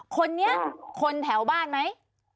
คนนี้คนแถวบ้านไหม